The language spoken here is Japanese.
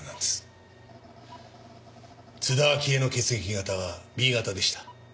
津田明江の血液型はＢ型でした。